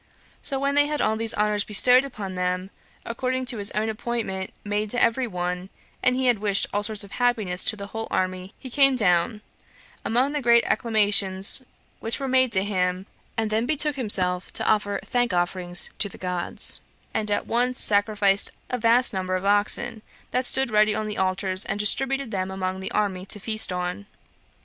So when they had all these honors bestowed on them, according to his own appointment made to every one, and he had wished all sorts of happiness to the whole army, he came down, among the great acclamations which were made to him, and then betook himself to offer thank offerings [to the gods], and at once sacrificed a vast number of oxen, that stood ready at the altars, and distributed them among the army to feast on.